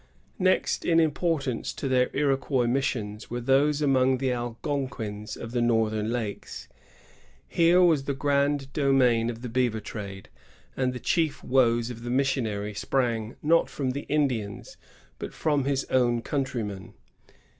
Next in importance to their Iroquois missions were those among the Algonquins of the northern lakes. Here was the grand domain of the beaver trade; and the chief woes of the missionary sprang not from the Indians, but from his own countrymen.